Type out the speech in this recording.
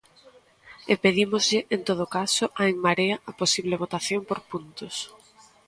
E pedímoslle, en todo caso, a En Marea a posible votación por puntos.